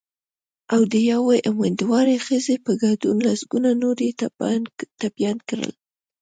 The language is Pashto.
او د یوې امېندوارې ښځې په ګډون لسګونه نور یې ټپیان کړل